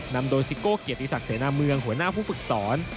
นำโดยซิโก้เกียรติศักดิเสนาเมืองหัวหน้าผู้ฝึกสอน